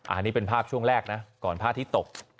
อันนี้เป็นภาพช่วงแรกนะก่อนพระอาทิตย์ตก